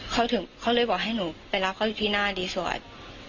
เขาถึงเขาเลยบอกให้หนูไปรับเขาที่หน้ารีสอร์ท